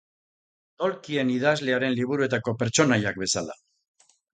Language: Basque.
Tolkien idazlearen liburuetako pertsonaiak bezala.